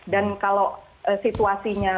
dan kalau situasinya